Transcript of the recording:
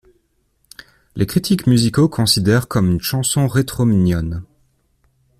Les critiques musicaux considèrent comme une chanson rétro mignonne.